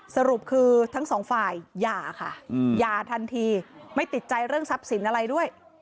สรุปคือทั้งสองฝ่ายหย่าค่ะหย่าทันทีไม่ติดใจเรื่องทรัพย์สินอะไรด้วย